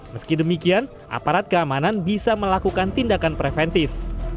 meski demikian aparat keamanan bisa melakukan tindakan preventif